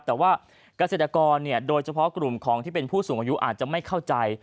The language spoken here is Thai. แต่ว่าเกษตรกรโดยเฉพาะกลุ่มของที่เป็นผู้สูงอายุอาจจะไม่เข้าใจ